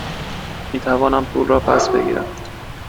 می توانم پولم را پس بگیرم؟